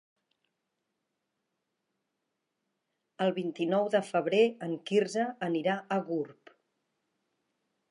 El vint-i-nou de febrer en Quirze anirà a Gurb.